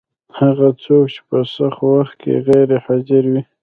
هغه څوک چې په سخت وخت کي غیر حاضر وي